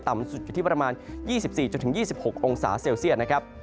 ต่ำสุดอยู่ที่ประมาณ๒๔๒๖อเซลเซียะ